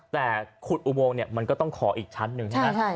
แต่ขุดอุโมงเนี่ยมันก็ต้องขออีกชั้นหนึ่งใช่ไหม